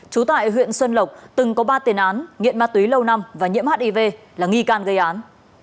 trú tại huyện xuân lộc từng có ba tiền án nghiện ma túy lâu năm và nhiễm hiv là nghi can gây án